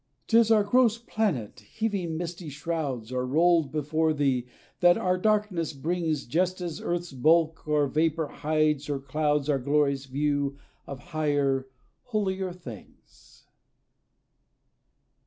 'T is our gross planet, heaving misty shrouds, Or rolled before thee, that our darkness brings, Just as earth's bulk or vapor hides or clouds Our glorious view of higher, holier things.